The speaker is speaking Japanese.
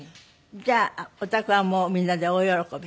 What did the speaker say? じゃあおたくはもうみんなで大喜び？